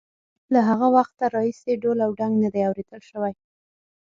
له هغه وخته راهیسې ډول او ډنګ نه دی اورېدل شوی.